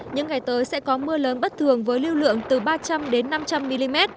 những ngày tới sẽ có mưa lớn bất thường với lưu lượng từ ba trăm linh đến năm trăm linh mm